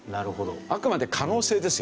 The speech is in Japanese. あくまで可能性ですよ。